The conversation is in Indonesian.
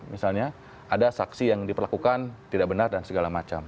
misalnya ada saksi yang diperlakukan tidak benar dan segala macam